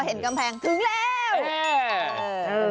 เห็นกำแพงถึงแล้ว